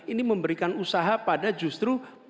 ini memberikan usaha pada justru